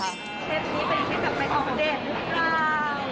เชฟนี้เป็นเชฟกับไมค์ของประเทศ